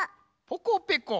ポコペコ。